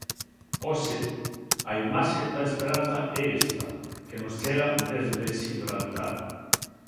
Hoxe, a imaxe da esperanza é esta, que nos chega desde Xibraltar.